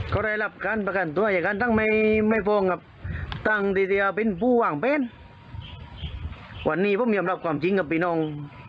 ก็ได้รับการประกันตัวอย่างนั้นตั้งไม่ฟ้องกับตั้งดีเซียเป็นผู้ว่างเป็นวันนี้ผมยอมรับความจริงกับพี่น้อง